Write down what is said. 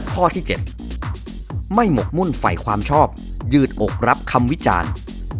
ข้อที่๗ไม่หมกมุ่นฝ่ายความชอบยืดอกรับคำวิจารณ์